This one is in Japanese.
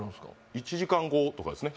１時間後とかですね